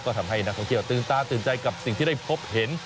ก็ทำให้นักท่องเที่ยวตื่นตาตื่นใจกับสิ่งที่ได้พบเห็น